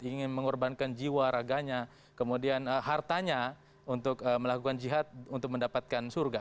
ingin mengorbankan jiwa raganya kemudian hartanya untuk melakukan jihad untuk mendapatkan surga